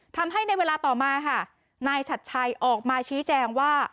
ทำให้ในเวลาต่อมาค่ะนายชัดชัยออกมาชี้แจงว่า